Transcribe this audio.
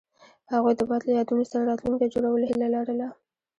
هغوی د باد له یادونو سره راتلونکی جوړولو هیله لرله.